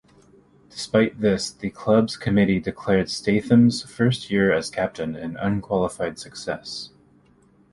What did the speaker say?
Despite this, the club's committee declared Statham's first year as captain "an unqualified success".